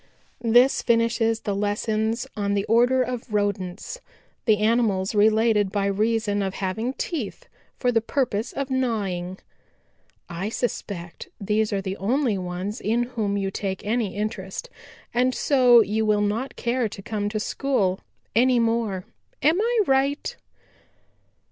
"This finishes the lessons on the order of Rodents, the animals related by reason of having teeth for the purpose of gnawing. I suspect these are the only ones in whom you take any interest, and so you will not care to come to school any more. Am I right?"